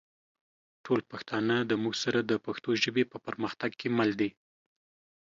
ټول پښتانه دا مونږ سره د پښتو ژبې په پرمختګ کې مل دي